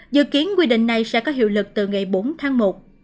dự kiến quy định này sẽ có hiệu lực từ ngày bốn tháng một